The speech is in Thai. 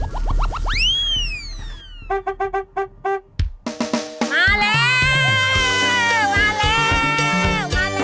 มาเร็วมาเร็ว